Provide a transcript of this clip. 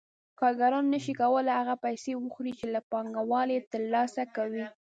کارګران نشي کولای هغه پیسې وخوري چې له پانګوال یې ترلاسه کوي